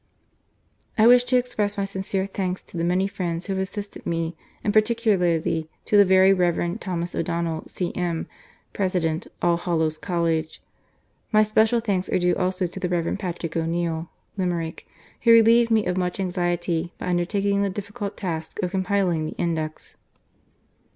I wish to express my sincere thanks to the many friends who have assisted me, and particularly to the Very Rev. Thomas O'Donnell, C.M., President, All Hallows College. My special thanks are due also to the Rev. Patrick O'Neill (Limerick), who relieved me of much anxiety by undertaking the difficult task of compiling the Index.